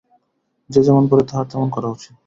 যে যেমন পারে, তাহার তেমন করা উচিত।